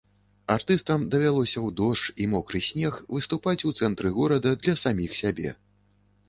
Артыстам давялося ў дождж і мокры снег выступаць у цэнтры горада для саміх сябе.